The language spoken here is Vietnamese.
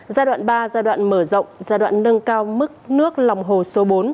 giai đoạn ba giai đoạn mở rộng giai đoạn nâng cao mức nước lòng hồ số bốn